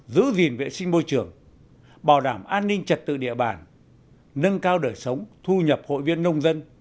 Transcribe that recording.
giữ gìn vệ sinh môi trường bảo đảm an ninh trật tự địa bàn nâng cao đời sống thu nhập hội viên nông dân